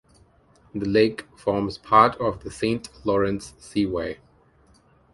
The lake forms part of the Saint Lawrence Seaway.